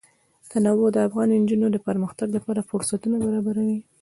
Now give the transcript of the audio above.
تنوع د افغان نجونو د پرمختګ لپاره فرصتونه برابروي.